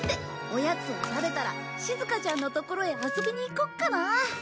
おやつを食べたらしずかちゃんのところへ遊びに行こっかな。